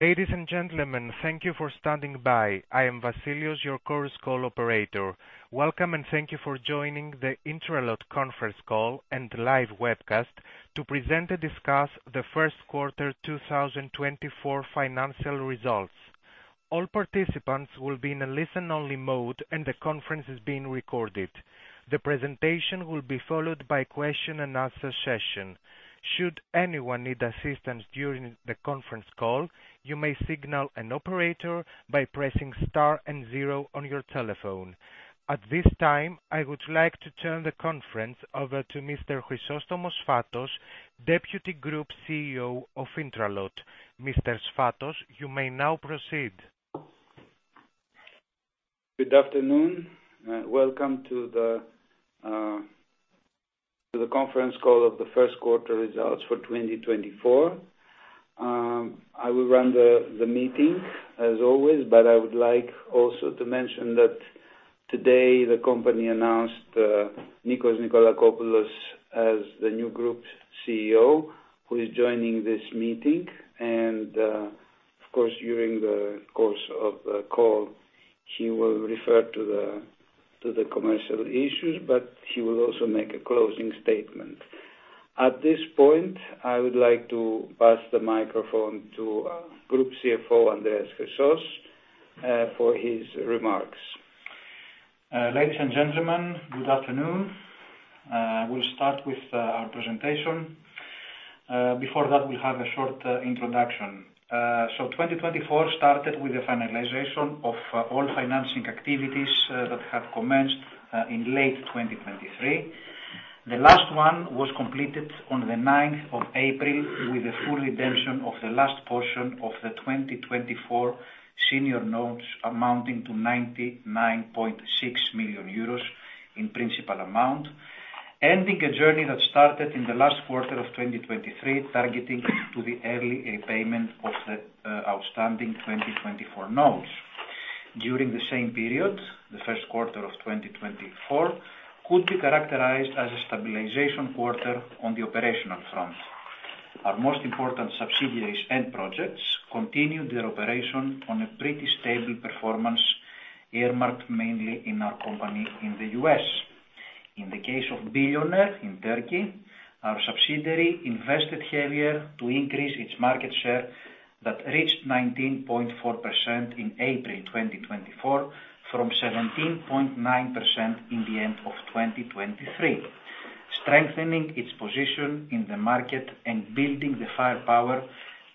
Ladies and gentlemen, thank you for standing by. I am Vasilios, your chorus call operator. Welcome, and thank you for joining the Intralot conference call and live webcast to present and discuss the first quarter 2024 financial results. All participants will be in a listen-only mode, and the conference is being recorded. The presentation will be followed by a question and answer session. Should anyone need assistance during the conference call, you may signal an operator by pressing star and zero on your telephone. At this time, I would like to turn the conference over to Mr. Chrysostomos Sfatos, Deputy Group CEO of Intralot. Mr. Sfatos, you may now proceed. Good afternoon, and welcome to the conference call of the first quarter results for 2024. I will run the meeting as always, but I would like also to mention that today the company announced Nikos Nikolakopoulos as the new Group CEO, who is joining this meeting. And, of course, during the course of the call, he will refer to the commercial issues, but he will also make a closing statement. At this point, I would like to pass the microphone to Group CFO, Andreas Chrysos, for his remarks. Ladies and gentlemen, good afternoon. We'll start with our presentation. Before that, we'll have a short introduction. So 2024 started with the finalization of all financing activities that have commenced in late 2023. The last one was completed on the 9th of April, with a full redemption of the last portion of the 2024 senior notes, amounting to 99.6 million euros in principal amount, ending a journey that started in the last quarter of 2023, targeting to the early repayment of the outstanding 2024 notes. During the same period, the first quarter of 2024 could be characterized as a stabilization quarter on the operational front. Our most important subsidiaries and projects continued their operation on a pretty stable performance, earmarked mainly in our company in the U.S. In the case of Bilyoner in Turkey, our subsidiary invested heavier to increase its market share, that reached 19.4% in April 2024, from 17.9% in the end of 2023, strengthening its position in the market and building the firepower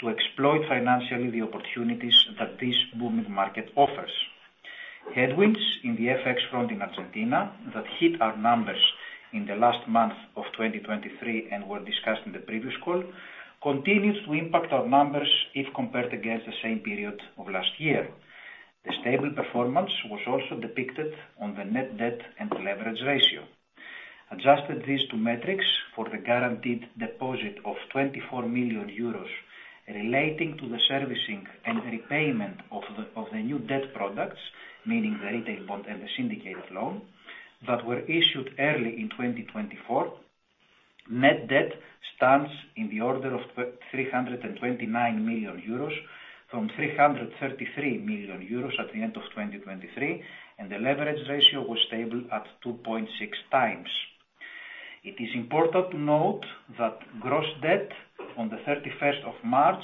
to exploit financially the opportunities that this booming market offers. Headwinds in the FX front in Argentina that hit our numbers in the last month of 2023 and were discussed in the previous call, continues to impact our numbers if compared against the same period of last year. The stable performance was also depicted on the net debt and leverage ratio. Adjusted these two metrics for the guaranteed deposit of 24 million euros relating to the servicing and repayment of the new debt products, meaning the retail bond and the syndicated loan, that were issued early in 2024. Net debt stands in the order of 329 million euros, from 333 million euros at the end of 2023, and the leverage ratio was stable at 2.6 times. It is important to note that gross debt on March 31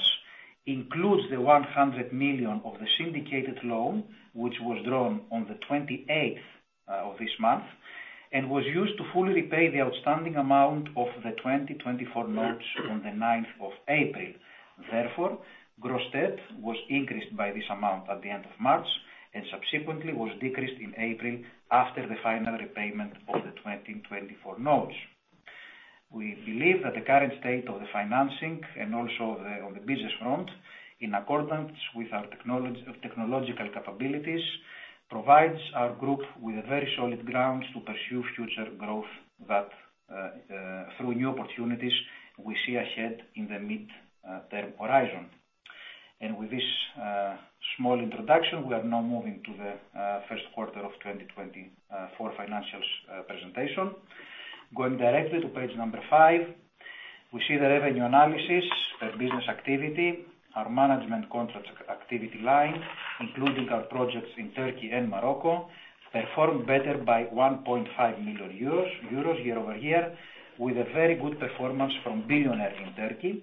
includes the 100 million of the syndicated loan, which was drawn on the 28th of this month, and was used to fully repay the outstanding amount of the 2024 notes on April 9. Therefore, gross debt was increased by this amount at the end of March and subsequently was decreased in April after the final repayment of the 2024 notes. We believe that the current state of the financing and also the, on the business front, in accordance with our technological capabilities, provides our group with a very solid ground to pursue future growth that, through new opportunities we see ahead in the mid-term horizon. And with this small introduction, we are now moving to the first quarter of 2024 financials presentation. Going directly to page number 5, we see the revenue analysis. The business activity, our management contract activity line, including our projects in Turkey and Morocco, performed better by 1.5 million euros year-over-year, with a very good performance from Bilyoner in Turkey,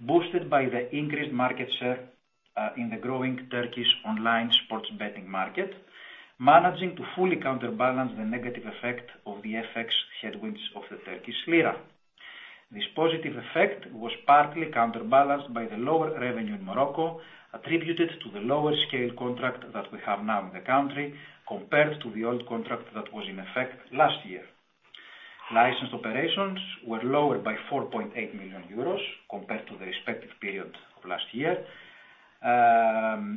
boosted by the increased market share in the growing Turkish online sports betting market, managing to fully counterbalance the negative effect of the FX headwinds of the Turkish lira. This positive effect was partly counterbalanced by the lower revenue in Morocco, attributed to the lower scale contract that we have now in the country, compared to the old contract that was in effect last year. Licensed operations were lower by 4.8 million euros compared to the respective period of last year,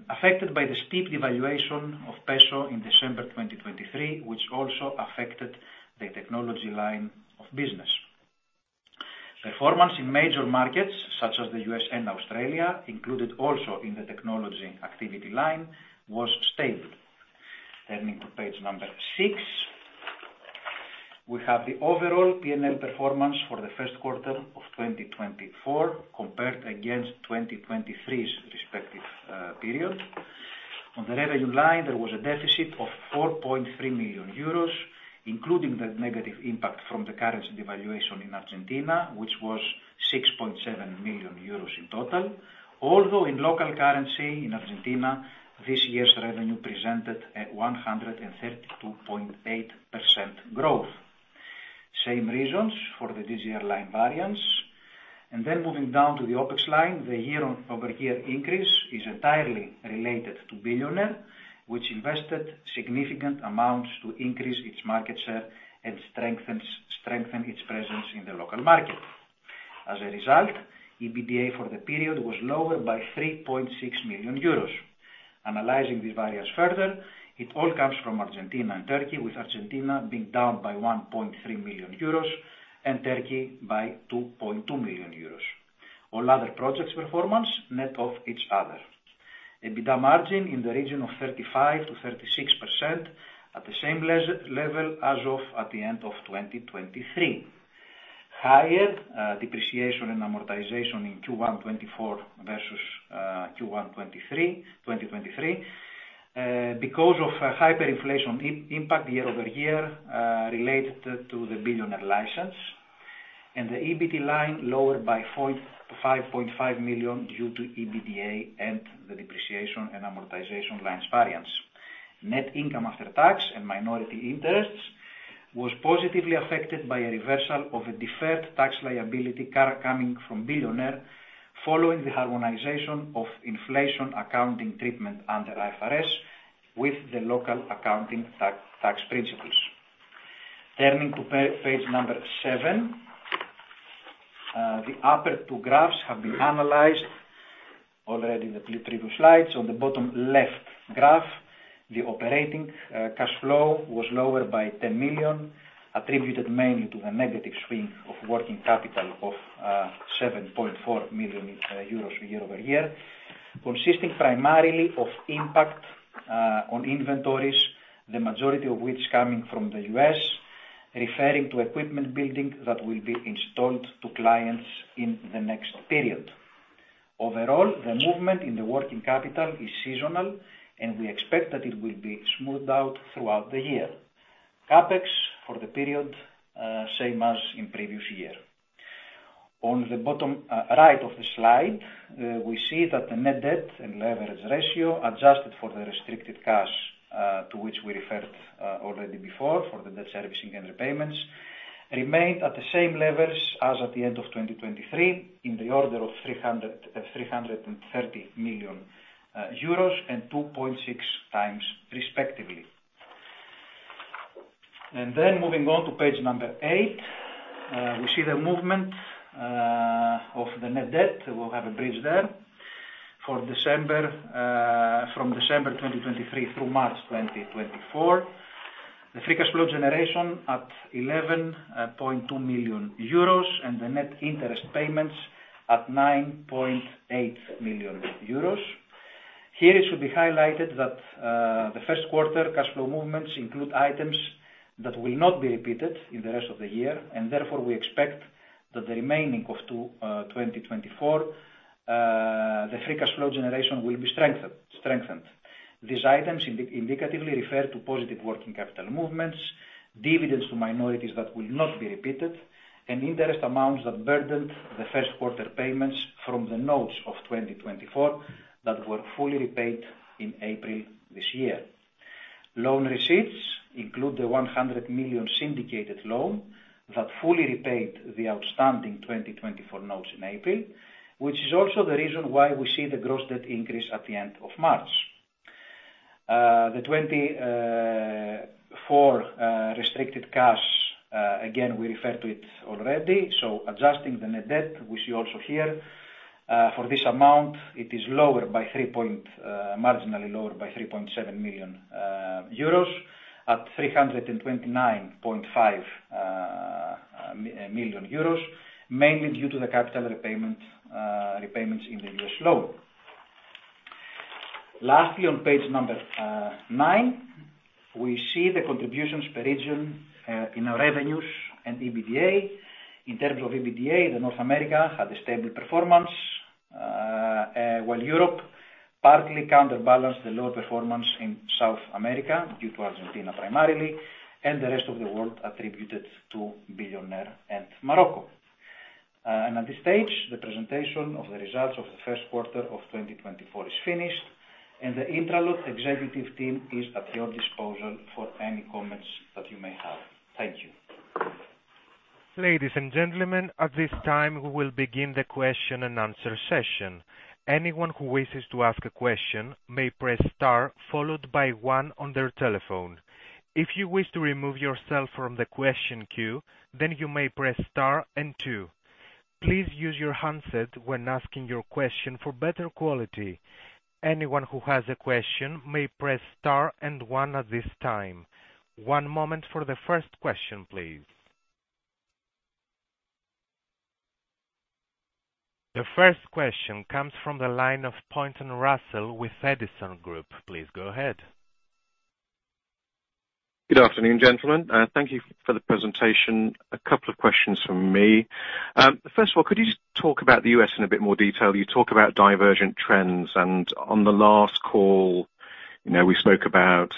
affected by the steep devaluation of peso in December 2023, which also affected the technology line of business. Performance in major markets, such as the U.S. and Australia, included also in the technology activity line, was stable. Turning to page 6. We have the overall PNL performance for the first quarter of 2024 compared against 2023's respective period. On the revenue line, there was a deficit of 4.3 million euros, including the negative impact from the currency devaluation in Argentina, which was 6.7 million euros in total. Although in local currency in Argentina, this year's revenue presented at 132.8% growth. Same reasons for the GGR line variance. And then moving down to the OpEx line, the year-over-year increase is entirely related to Bilyoner, which invested significant amounts to increase its market share and strengthen its presence in the local market. As a result, EBITDA for the period was lower by 3.6 million euros. Analyzing the variance further, it all comes from Argentina and Turkey, with Argentina being down by 1.3 million euros and Turkey by 2.2 million euros. All other projects performance net off each other. EBITDA margin in the region of 35%-36% at the same level as at the end of 2023. Higher depreciation and amortization in Q1 2024 versus Q1 2023 because of a hyperinflation impact year-over-year related to the Bilyoner license, and the EBT line lowered by 0.55 million due to EBITDA and the depreciation and amortization lines variance. Net income after tax and minority interests was positively affected by a reversal of a deferred tax liability current coming from Bilyoner, following the harmonization of inflation accounting treatment under IFRS with the local accounting tax, tax principles. Turning to page number seven, the upper two graphs have been analyzed already in the previous slides. On the bottom left graph, the operating cash flow was lower by 10 million, attributed mainly to the negative swing of working capital of 7.4 million euros year-over-year, consisting primarily of impact on inventories, the majority of which coming from the US, referring to equipment building that will be installed to clients in the next period. Overall, the movement in the working capital is seasonal, and we expect that it will be smoothed out throughout the year. CapEx for the period, same as in previous year. On the bottom, right of the slide, we see that the net debt and leverage ratio adjusted for the restricted cash, to which we referred, already before for the debt servicing and repayments, remained at the same levels as at the end of 2023, in the order of 330 million euros and 2.6x respectively. And then moving on to page 8, we see the movement of the net debt. We'll have a bridge there. For December, from December 2023 through March 2024, the free cash flow generation at 11.2 million euros and the net interest payments at 9.8 million euros. Here, it should be highlighted that the first quarter cash flow movements include items that will not be repeated in the rest of the year, and therefore, we expect that the remaining two of 2024, the free cash flow generation will be strengthened. These items indicatively refer to positive working capital movements, dividends to minorities that will not be repeated, and interest amounts that burdened the first quarter payments from the notes of 2024 that were fully repaid in April this year. Loan receipts include the 100 million syndicated loan that fully repaid the outstanding 2024 notes in April, which is also the reason why we see the gross debt increase at the end of March. The 2024 restricted cash, again, we referred to it already, so adjusting the net debt, we see also here for this amount, it is marginally lower by 3.7 million euros, at 329.5 million euros, mainly due to the capital repayments in the U.S. loan. Lastly, on page 9, we see the contributions per region in our revenues and EBITDA. In terms of EBITDA, North America had a stable performance, while Europe partly counterbalanced the lower performance in South America, due to Argentina primarily, and the rest of the world attributed to Bilyoner and Morocco. At this stage, the presentation of the results of the first quarter of 2024 is finished, and the INTRALOT executive team is at your disposal for any comments that you may have. Thank you. Ladies and gentlemen, at this time, we will begin the question and answer session. Anyone who wishes to ask a question may press star, followed by one on their telephone. If you wish to remove yourself from the question queue, then you may press star and two. Please use your handset when asking your question for better quality. Anyone who has a question may press star and one at this time. One moment for the first question, please…. The first question comes from the line of Russell Pointon with Edison Group. Please go ahead. Good afternoon, gentlemen, thank you for the presentation. A couple of questions from me. First of all, could you just talk about the US in a bit more detail? You talk about divergent trends, and on the last call, you know, we spoke about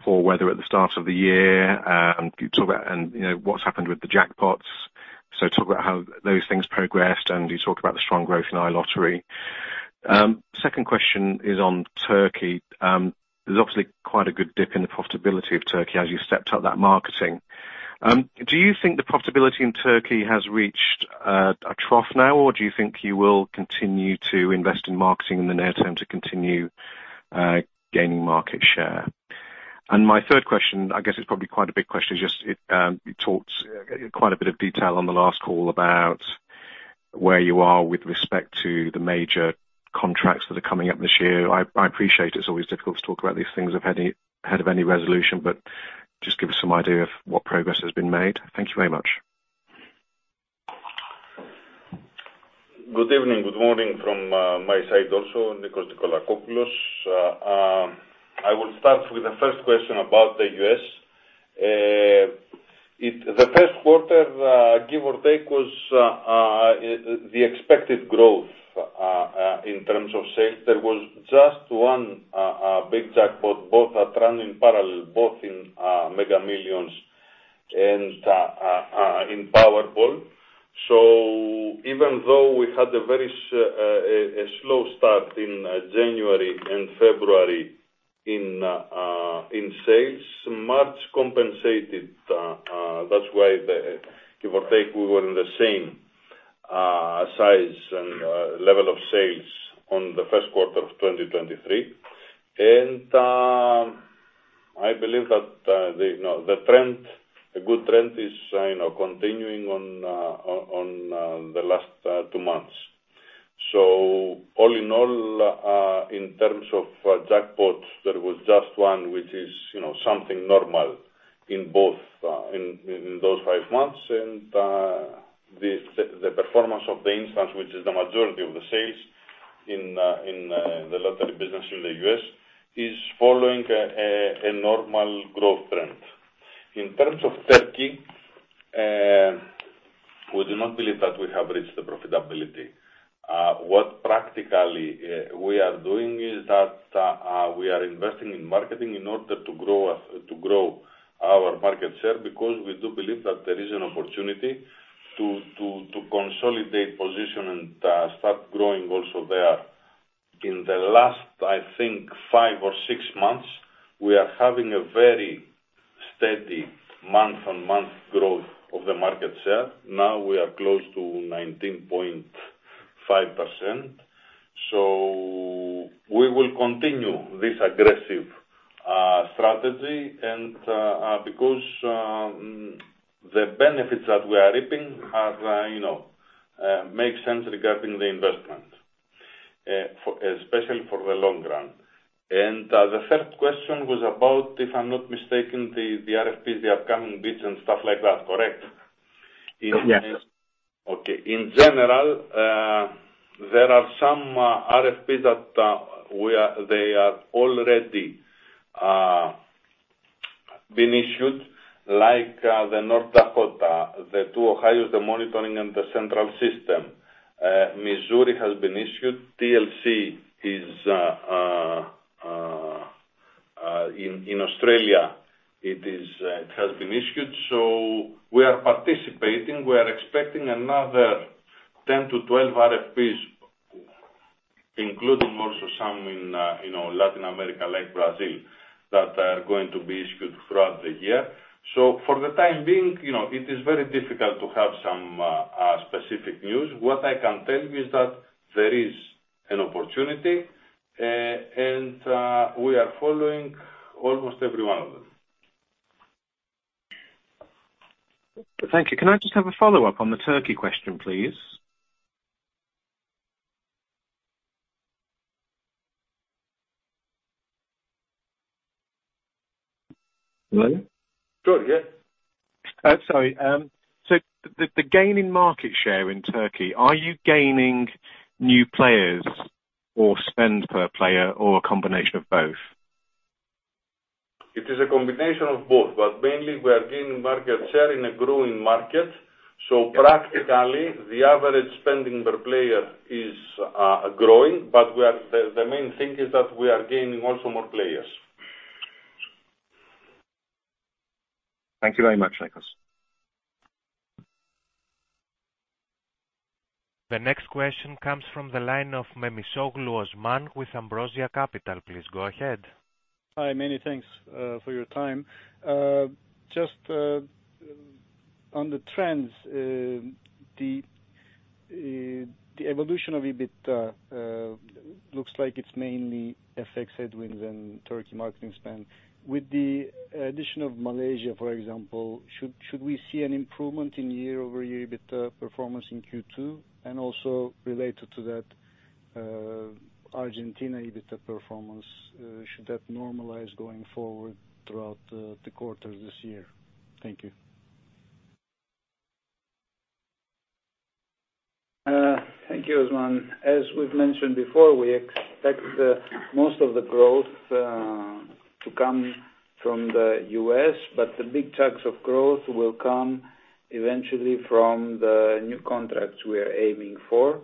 poor weather at the start of the year, could you talk about, and, you know, what's happened with the jackpots. So talk about how those things progressed, and you talked about the strong growth in iLottery. Second question is on Turkey. There's obviously quite a good dip in the profitability of Turkey as you stepped up that marketing. Do you think the profitability in Turkey has reached a trough now, or do you think you will continue to invest in marketing in the near term to continue gaining market share? My third question, I guess it's probably quite a big question, just, you talked quite a bit of detail on the last call about where you are with respect to the major contracts that are coming up this year. I appreciate it's always difficult to talk about these things ahead of any resolution, but just give us some idea of what progress has been made. Thank you very much. Good evening, good morning from my side also, Nikos Nikolakopoulos. I will start with the first question about the US. The first quarter, give or take, was the expected growth in terms of sales. There was just one big jackpot, both are running parallel, both in Mega Millions and in Powerball. So even though we had a very slow start in January and February in sales, March compensated, that's why the, give or take, we were in the same size and level of sales on the first quarter of 2023. And I believe that, you know, the trend, a good trend is, you know, continuing on the last two months. So all in all, in terms of jackpots, there was just one which is, you know, something normal in both, in those five months, and the performance of the instance, which is the majority of the sales in the lottery business in the U.S., is following a normal growth trend. In terms of Turkey, we do not believe that we have reached the profitability. What practically we are doing is that we are investing in marketing in order to grow our market share, because we do believe that there is an opportunity to consolidate position and start growing also there. In the last, I think, five or six months, we are having a very steady month-on-month growth of the market share. Now, we are close to 19.5%. So we will continue this aggressive strategy and because the benefits that we are reaping have you know make sense regarding the investment especially for the long run. And the third question was about, if I'm not mistaken, the RFPs, the upcoming bids and stuff like that, correct? Yes. Okay. In general, there are some RFPs that we are, they are already been issued, like the North Dakota, the two Ohio, the monitoring and the central system. Missouri has been issued. TLC is in Australia, it has been issued. So we are participating. We are expecting another 10-12 RFPs, including also some in, you know, Latin America, like Brazil, that are going to be issued throughout the year. So for the time being, you know, it is very difficult to have some specific news. What I can tell you is that there is an opportunity, and we are following almost every one of them. Thank you. Can I just have a follow-up on the Turkey question, please? Hello? Sure, yeah. Sorry. So, the gaining market share in Turkey, are you gaining new players or spend per player or a combination of both? It is a combination of both, but mainly we are gaining market share in a growing market. So practically, the average spending per player is growing, but the main thing is that we are gaining also more players. Thank you very much, Nikos. The next question comes from the line of Osman Memisoglu with Ambrosia Capital. Please go ahead. Hi, many thanks for your time. Just on the trends, the evolution of EBIT looks like it's mainly FX headwinds and Turkey marketing spend. With the addition of Malaysia, for example, should we see an improvement in year-over-year EBIT performance in Q2? And also related to that, Argentina EBIT performance, should that normalize going forward throughout the quarter this year? Thank you.... Thank you, Osman. As we've mentioned before, we expect the most of the growth to come from the US, but the big chunks of growth will come eventually from the new contracts we are aiming for.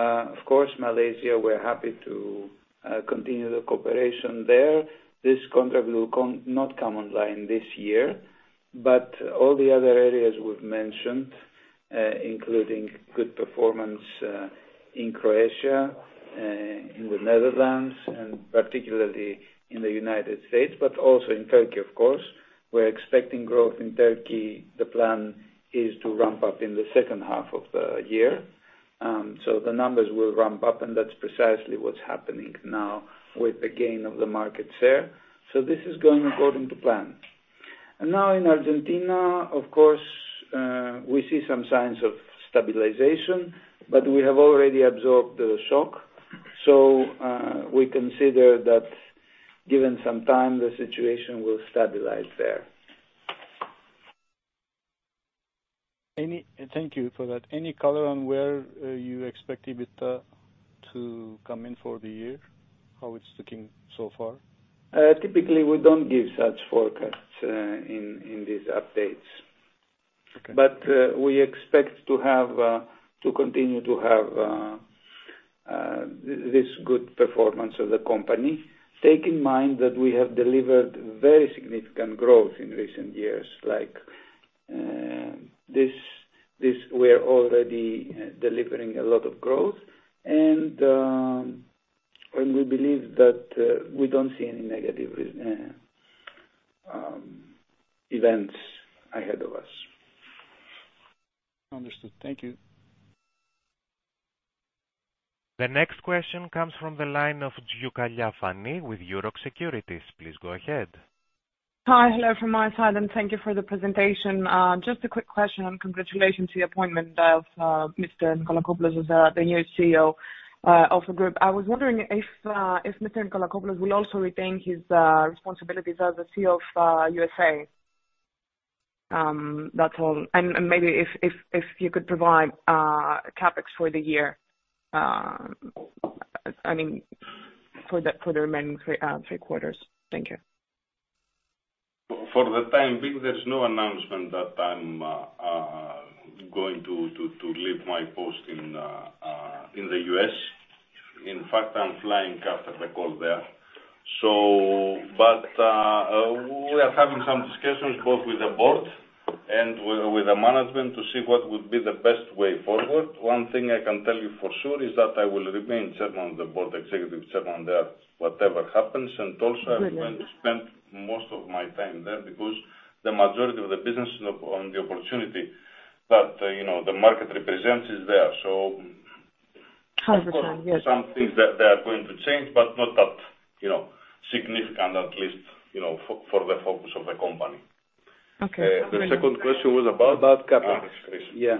Of course, Malaysia, we're happy to continue the cooperation there. This contract will come - not come online this year, but all the other areas we've mentioned, including good performance in Croatia, in the Netherlands, and particularly in the United States, but also in Turkey, of course. We're expecting growth in Turkey. The plan is to ramp up in the second half of the year. So the numbers will ramp up, and that's precisely what's happening now with the gain of the market share. So this is going according to plan. And now, in Argentina, of course, we see some signs of stabilization, but we have already absorbed the shock. We consider that given some time, the situation will stabilize there. Thank you for that. Any color on where you expect EBITDA to come in for the year? How it's looking so far? Typically, we don't give such forecasts in these updates. Okay. But, we expect to have to continue to have this good performance of the company. Take in mind that we have delivered very significant growth in recent years, like, this, this, we're already delivering a lot of growth and, and we believe that we don't see any negative events ahead of us. Understood. Thank you. The next question comes from the line of Fani Tzioukalia with Euroxx Securities. Please go ahead. Hi, hello from my side, and thank you for the presentation. Just a quick question and congratulations to the appointment of Mr. Nikolakopoulos as the new CEO of the group. I was wondering if Mr. Nikolakopoulos will also retain his responsibilities as the CEO of USA? That's all. And maybe if you could provide CapEx for the year, I mean, for the remaining three quarters. Thank you. For the time being, there's no announcement that I'm going to leave my post in the U.S. In fact, I'm flying after the call there. But, we are having some discussions both with the board and with the management to see what would be the best way forward. One thing I can tell you for sure is that I will remain chairman of the board, executive chairman there, whatever happens. Brilliant. I'm going to spend most of my time there, because the majority of the business on the opportunity that, you know, the market represents is there. So-... Understand, yes. Of course, some things that they are going to change, but not that, you know, significant, at least, you know, for the focus of the company. Okay. The second question was about? About CapEx. CapEx. Yeah.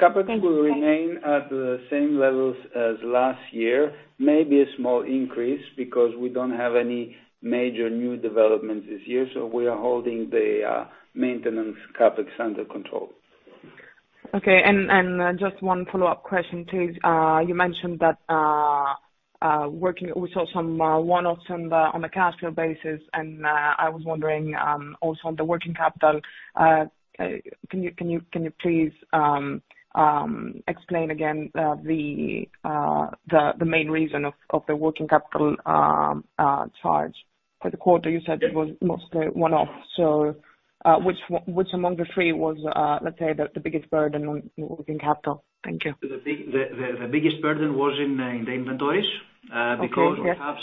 CapEx will remain at the same levels as last year, maybe a small increase, because we don't have any major new developments this year, so we are holding the maintenance CapEx under control. Okay, and just one follow-up question, please. You mentioned that working, we saw some one-offs on the cash flow basis, and I was wondering also on the working capital, can you please explain again the main reason of the working capital charge for the quarter? You said it was mostly one-off, so which among the three was, let's say, the biggest burden on working capital? Thank you. The biggest burden was in the inventories. Okay, yeah. Because we have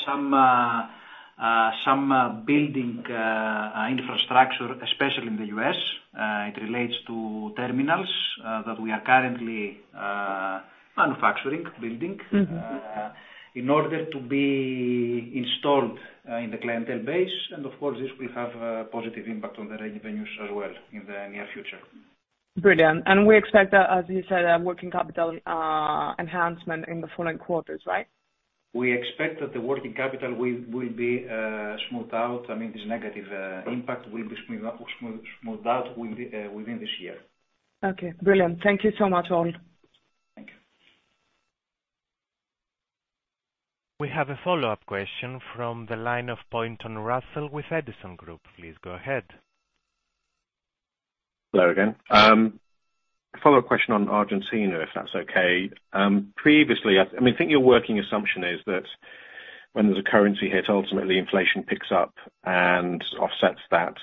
some building infrastructure, especially in the U.S. It relates to terminals that we are currently manufacturing, building- Mm-hmm. in order to be installed in the clientele base, and of course, this will have a positive impact on the revenues as well in the near future. Brilliant. We expect, as you said, a working capital enhancement in the following quarters, right? We expect that the working capital will be smoothed out. I mean, this negative impact will be smoothed out within this year. Okay, brilliant. Thank you so much, all. Thank you. We have a follow-up question from the line of Russell Pointon with Edison Group. Please go ahead. Hello again. A follow-up question on Argentina, if that's okay. Previously, I mean, I think your working assumption is that when there's a currency hit, ultimately inflation picks up and offsets that.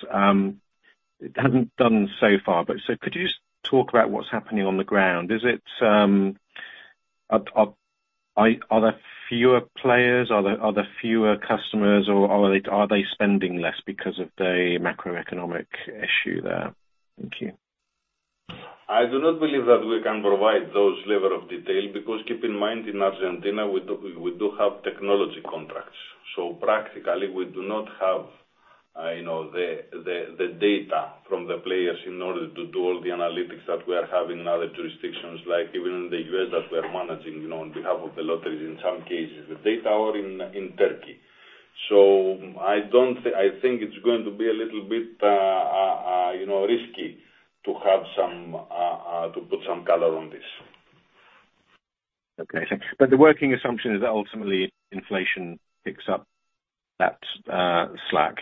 It hasn't done so far, but so could you just talk about what's happening on the ground? Is it, are there fewer players, are there fewer customers, or are they spending less because of the macroeconomic issue there? Thank you. I do not believe that we can provide those level of detail, because keep in mind, in Argentina, we do have technology contracts. So practically, we do not have, you know, the data from the players in order to do all the analytics that we are having in other jurisdictions, like even in the U.S., that we are managing, you know, on behalf of the lotteries, in some cases, the data, or in Turkey. So I don't think it's going to be a little bit, you know, risky to have some, to put some color on this. Okay. So but the working assumption is that ultimately inflation picks up that slack?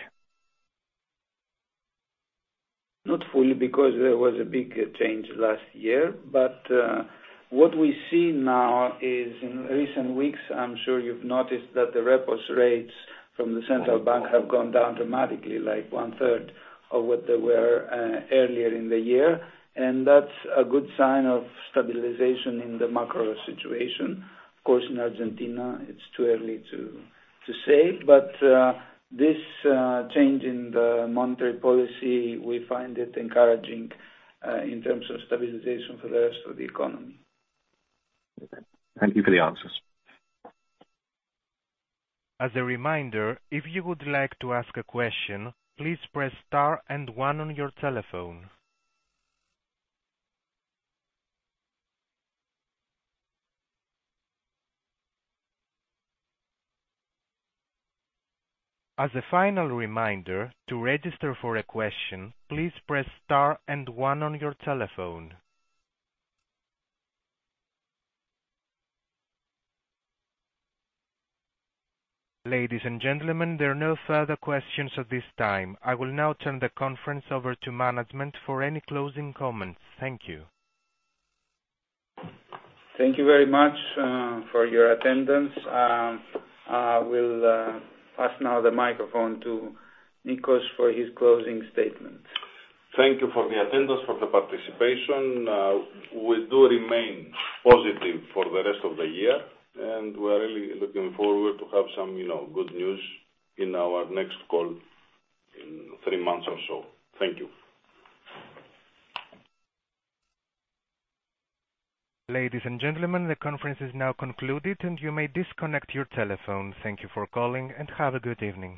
Not fully, because there was a big change last year. But what we see now is in recent weeks, I'm sure you've noticed that the repo rates from the central bank have gone down dramatically, like one third of what they were earlier in the year. And that's a good sign of stabilization in the macro situation. Of course, in Argentina, it's too early to say, but this change in the monetary policy, we find it encouraging in terms of stabilization for the rest of the economy. Okay. Thank you for the answers. As a reminder, if you would like to ask a question, please press star and one on your telephone. As a final reminder, to register for a question, please press star and one on your telephone. Ladies and gentlemen, there are no further questions at this time. I will now turn the conference over to management for any closing comments. Thank you. Thank you very much for your attendance. I will pass now the microphone to Nikos for his closing statement. Thank you for the attendance, for the participation. We do remain positive for the rest of the year, and we are really looking forward to have some, you know, good news in our next call in three months or so. Thank you. Ladies and gentlemen, the conference is now concluded and you may disconnect your telephone. Thank you for calling and have a good evening.